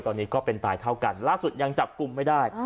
ตอนนี้ก็เป็นตายเท่ากันล่าสุดยังจับกลุ่มไม่ได้